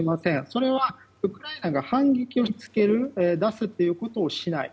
それは、ウクライナが反撃を出すということをしない。